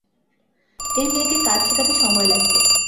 এই মেয়েকে কাজ শেখাতে সময় লাগবে।